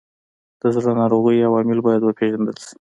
د زړه ناروغیو عوامل باید وپیژندل شي.